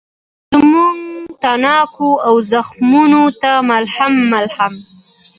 زموږ تڼاکو او زخمونوته ملهم، ملهم